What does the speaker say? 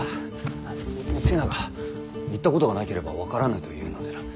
瀬名が行ったことがなければ分からぬと言うのでな。